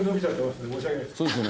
そうですね。